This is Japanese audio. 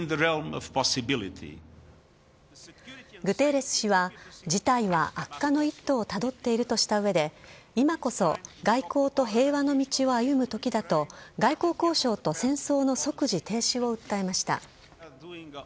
グテーレス氏は、事態は悪化の一途をたどっているとしたうえで、今こそ、外交と平和の道を歩むときだと、外交交渉と戦争の即時停止を訴えました。